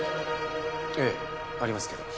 ええありますけど。